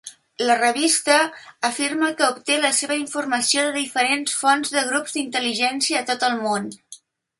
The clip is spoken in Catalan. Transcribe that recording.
La revista afirma que obté la seva informació de diferents fonts de grups d'intel·ligència a tot el món.